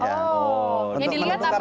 ya dilihat apanya itu pak